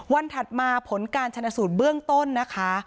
ถัดมาผลการชนสูตรเบื้องต้นนะคะ